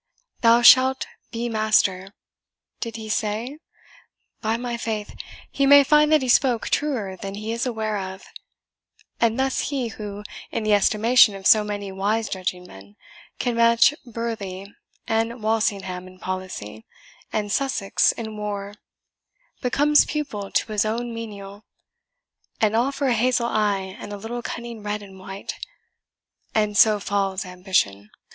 'Thou shalt be master,' did he say? By my faith, he may find that he spoke truer than he is aware of; and thus he who, in the estimation of so many wise judging men, can match Burleigh and Walsingham in policy, and Sussex in war, becomes pupil to his own menial and all for a hazel eye and a little cunning red and white, and so falls ambition.